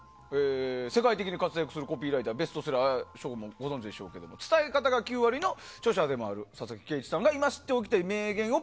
世界的に活躍するコピーライターベストセラーでご存じでしょうが「伝え方が９割」の著者でもある佐々木圭一さんが今日、名言を